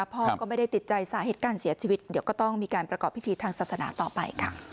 พ่อก็ไม่ได้ติดใจสาเหตุการเสียชีวิตเดี๋ยวก็ต้องมีการประกอบพิธีทางศาสนาต่อไปค่ะ